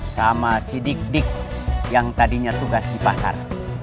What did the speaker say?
sama si dik dik yang tadinya tugas di pasar